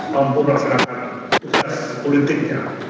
mampu melaksanakan tugas politiknya